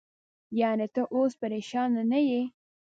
یعنې، ته اوس پرېشانه نه یې؟